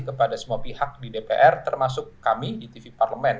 kepada semua pihak di dpr termasuk kami di tv parlemen